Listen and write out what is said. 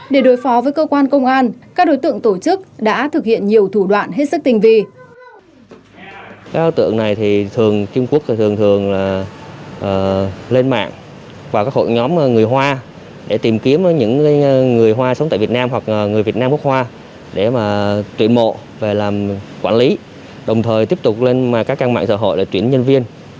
để đối phó với cơ quan công an các đối tượng tổ chức đã thực hiện nhiều thủ đoạn hết sức tình vì